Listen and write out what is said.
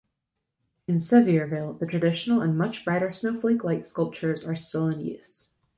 In Sevierville, the traditional and much brighter snowflake light sculptures are still in use.